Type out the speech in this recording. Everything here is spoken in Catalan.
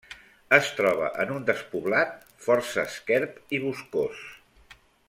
Es troba en un despoblat força esquerp i boscós.